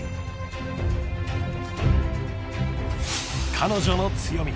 ［彼女の強み。